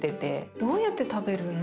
どうやって食べるの？